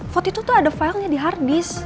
foto itu tuh ada filenya di hardisk